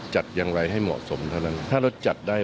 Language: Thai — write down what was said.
จัดอย่างไรมากเท่าไหร่